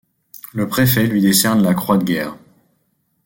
Le préfet lui décerne la croix de guerre.